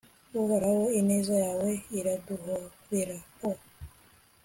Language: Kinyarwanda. uhoraho, ineza yawe iraduhoreho